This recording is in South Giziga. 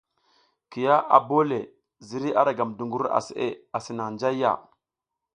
Kiya a bole le ziriy a ra gam dungur a seʼe asi nang njayya.